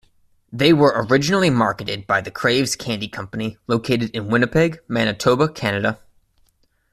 They were originally marketed by the Kraves Candy Company, located in Winnipeg, Manitoba, Canada.